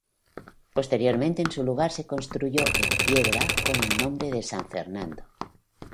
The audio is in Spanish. Posteriormente en su lugar se construyó en piedra con el nombre de San Fernando.